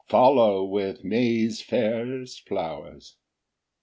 Follow with May's fairest flowers.